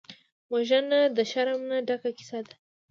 وژنه د شرم نه ډکه کیسه ده